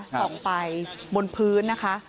ส่องไปบนพื้นนะคะ